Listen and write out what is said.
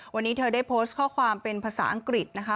วันนี้เธอได้โพสต์ข้อความเป็นภาษาอังกฤษนะคะ